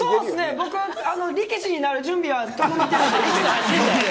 僕、力士になる準備は整ってるんで。